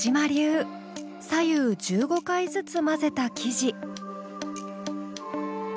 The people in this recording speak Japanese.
左右１５回ずつ混ぜた生地。